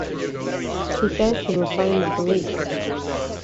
He says he will phone the police.